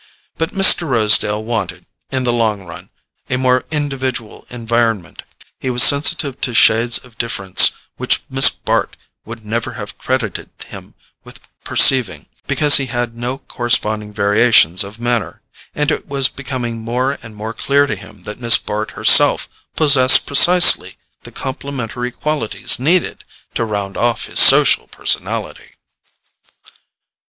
But Mr. Rosedale wanted, in the long run, a more individual environment. He was sensitive to shades of difference which Miss Bart would never have credited him with perceiving, because he had no corresponding variations of manner; and it was becoming more and more clear to him that Miss Bart herself possessed precisely the complementary qualities needed to round off his social personality.